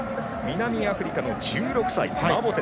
南アフリカの１６歳マボテ。